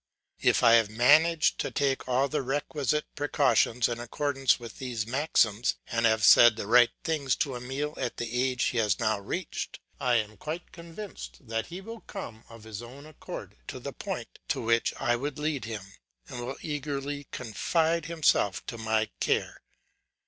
If I have managed to take all the requisite precautions in accordance with these maxims, and have said the right things to Emile at the age he has now reached, I am quite convinced that he will come of his own accord to the point to which I would lead him, and will eagerly confide himself to my care.